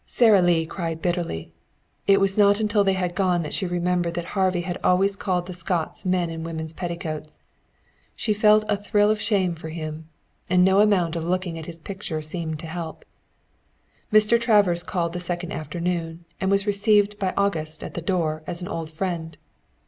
Sara Lee cried bitterly. It was not until they had gone that she remembered that Harvey had always called the Scots men in women's petticoats. She felt a thrill of shame for him, and no amount of looking at his picture seemed to help. Mr. Travers called the second afternoon and was received by August at the door as an old friend.